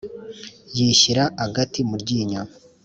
yishyira agati mu ryinyo